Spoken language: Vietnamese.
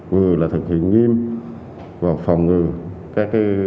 vừa là thực hiện nghiêm và phòng ngừa